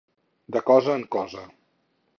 De cosa en cosa.